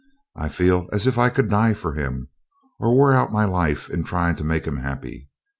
I feel as if I could die for him, or wear out my life in trying to make him happy.